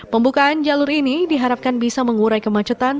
pembukaan jalur ini diharapkan bisa mengurai kemacetan